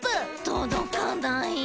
とどかない。